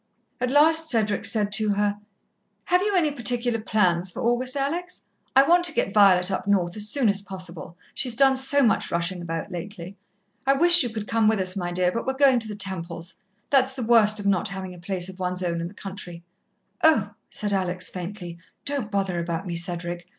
At last Cedric said to her: "Have you any particular plans for August, Alex? I want to get Violet up north as soon as possible, she's done so much rushing about lately. I wish you could come with us, my dear, but we're going to the Temples' that's the worst of not having a place of one's own in the country " "Oh," said Alex faintly, "don't bother about me, Cedric.